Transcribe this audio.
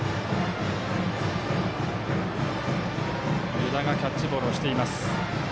湯田がキャッチボールをしています。